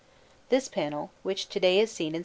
This panel, which to day is seen in S.